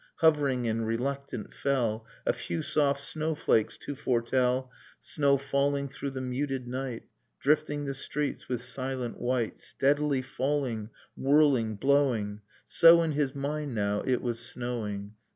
Hovering and reluctant, fell A few soft snow flakes, to foretell [no} Dust in Starlight Snow falling through the muted night, Drifting the streets with silent white, Steadily falling, whirling, blowing ... So in his mind, now, it was snowing.